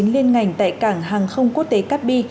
liên ngành tại cảng hàng không quốc tế cát bi